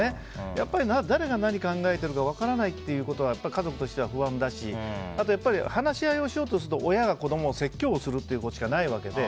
やっぱり誰が何を考えているか分からないっていうことは家族としては不安だしあと、話し合いをしようとすると親が子供を説教する方法しかないわけで。